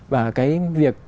và cái việc